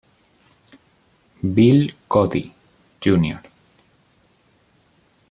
Bill Cody, Jr.